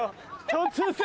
突然。